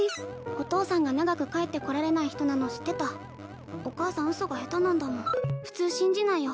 お父さんが長く帰ってこられない人なの知ってたお母さん嘘がヘタなんだもん普通信じないよ